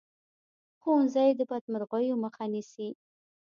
ښوونځی د بدمرغیو مخه نیسي